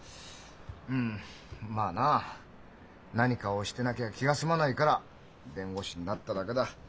うんまあな何かをしてなきゃ気が済まないから弁護士になっただけだ。